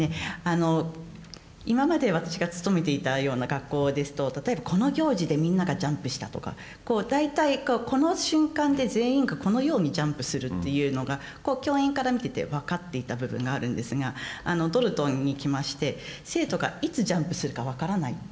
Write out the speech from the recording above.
あの今まで私が勤めていたような学校ですと例えばこの行事でみんながジャンプしたとかこう大体この瞬間で全員がこのようにジャンプするというのが教員から見てて分かっていた部分があるんですがドルトンに来まして生徒がいつジャンプするか分からない